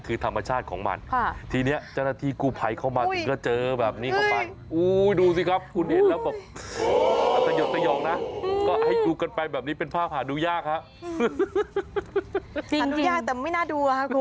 คือขออภัยคุณผู้ชมที่ทานข้าวอยู่ตอนนี้จริง